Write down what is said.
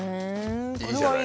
いいじゃない。